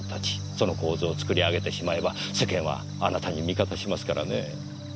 その構図を作り上げてしまえば世間はあなたに味方しますからねぇ。